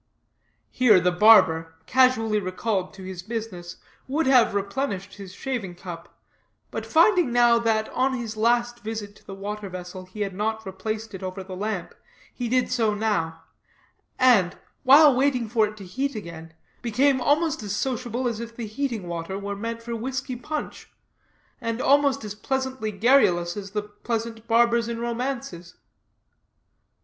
Here the barber, casually recalled to his business, would have replenished his shaving cup, but finding now that on his last visit to the water vessel he had not replaced it over the lamp, he did so now; and, while waiting for it to heat again, became almost as sociable as if the heating water were meant for whisky punch; and almost as pleasantly garrulous as the pleasant barbers in romances.